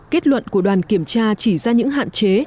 kết luận của đoàn kiểm tra chỉ ra những hạn chế